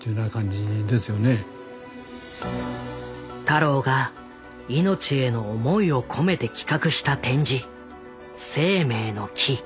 太郎が命への思いを込めて企画した展示「生命の樹」。